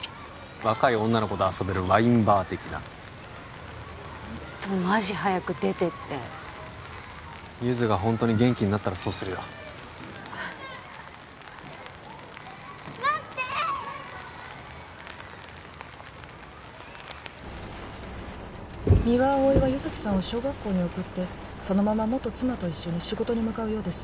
若い女の子と遊べるワインバー的なホントマジ早く出てってゆづがホントに元気になったらそうするよ待って三輪碧は優月さんを小学校に送ってそのまま元妻と一緒に仕事に向かうようです